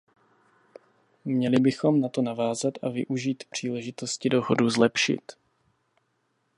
Měli bychom na to navázat a využít příležitosti dohodu zlepšit.